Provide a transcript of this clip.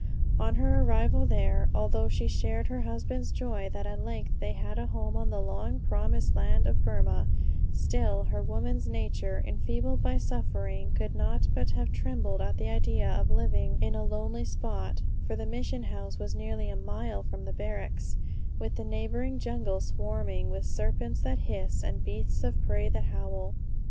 On her arrival there, although she shared her husband's joy that at length they had a home on the long promised land of Burmah, still her woman's nature, enfeebled by suffering, could not but have trembled at the idea of living in a lonely spot, (for the mission house was nearly a mile from the barracks,) with the neighboring jungle swarming with "serpents that hiss, and beasts of prey that howl."